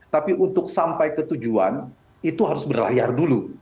tapi untuk sampai ke tujuan itu harus berlayar dulu